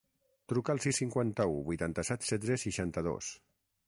Truca al sis, cinquanta-u, vuitanta-set, setze, seixanta-dos.